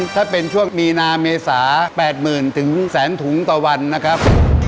ถ้าเป็นช่วงมีนาเมษา๘๐๐๐ถึงแสนถุงต่อวันนะครับ